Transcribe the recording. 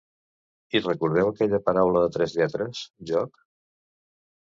I recordeu aquella paraula de tres lletres, "joc"?